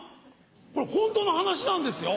これホントの話なんですよ。